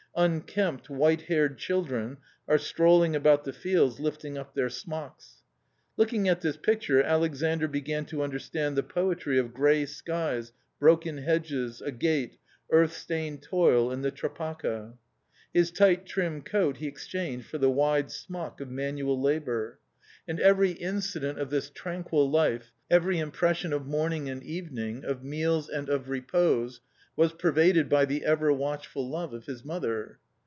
Unkempt, white haired children are strolling about the fields lifting up their smocks. Looking at this picture, Alexandr began to understand the poetry of "grey skies, broken hedges, agate, earth stained toil and the trepaka? His tight trim coat he exchanged for the wide smock of manual labour. And every A COMMON STORY 259 incident of this tranquil life, every impression of morning and evening, of meals and of repose, was pervaded by the ever watchful love of his mother.